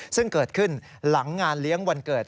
ซึ่งเกิดขึ้นหลังงานเลี้ยงวันเกิด